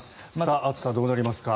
暑さ、どうなりますか？